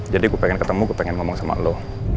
jadi gue pengen ketemu gue pengen ngomong sama lo